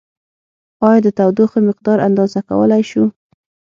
ایا د تودوخې مقدار اندازه کولای شو؟